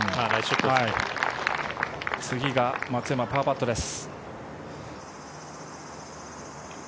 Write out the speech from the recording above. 次が松山、パーパットです。